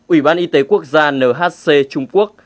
ủy ban y tế quốc gia nhc trung quốc